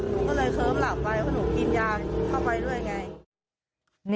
หนูก็เลยเคิ้มหลับไปเพราะหนูกินยาเข้าไปด้วยไง